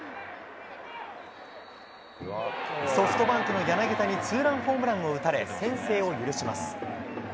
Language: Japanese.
ソフトバンクの柳田にツーランホームランを打たれ、先制を許します。